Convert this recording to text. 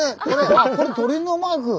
ああこれ鳥居のマーク。